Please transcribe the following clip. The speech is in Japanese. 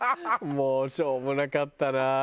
もうしょうもなかったな。